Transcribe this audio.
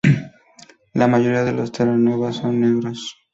La mayoría de los Terranova son negros.